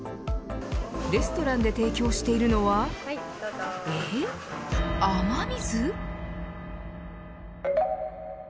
レストランで提供しているのはえ、雨水。